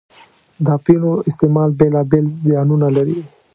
د اپینو استعمال بېلا بېل زیانونه لري.